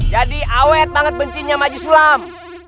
jadi awet banget bencinya maji sulam